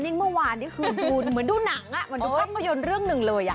พะนิ้งเมื่อวานดูกันคือถูกเป้าโปรยนเรื่องหนึ่งเลย